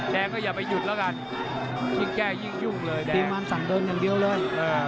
แดงก็อย่าไปหยุดแล้วกันยิ่งแก้ยิ่งยุ่งเลยแดงมันสั่งเดินอย่างเดียวเลย